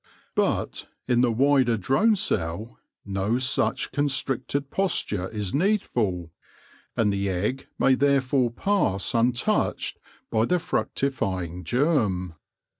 But in the wider drone cell no such constricted posture is needful, and the egg may therefore pass untouched by the fructifying germ.